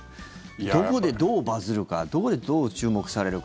どこでどうバズるかどこでどう注目されるか。